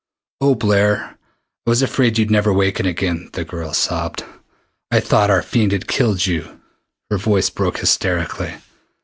"Oh, Blair, I was afraid you'd never waken again," the girl sobbed. "I thought that fiend had killed you!" Her voice broke hysterically.